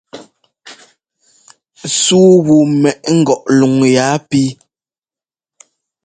Súu wu mɛʼ ngɔʼ luŋ yaa píi.